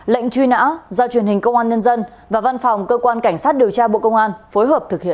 lệnh truy nã do truyền hình công an nhân dân và văn phòng cơ quan cảnh sát điều tra bộ công an phối hợp thực hiện